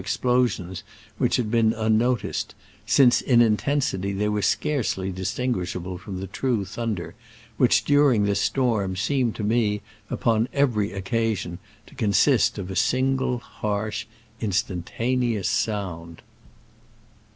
explosions which had been unnoticed, since in intensity they were scarcely distinguishable from the true thunder, which during this storm seemed to me, upon every occasion, to consist of a sihgle harsh, instantaneous sound.